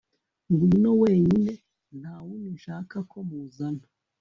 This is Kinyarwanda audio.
ngwino wenyine ntawundi nshaka ko muzana